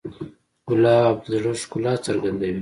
ګلاب د زړه ښکلا څرګندوي.